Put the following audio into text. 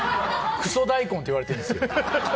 クソ大根っていわれてるんですよ。